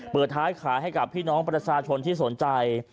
เปิดท้ายขายให้กับพี่น้องประชาชนที่สนใจ